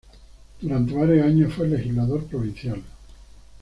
Durante varios años fue legislador provincial.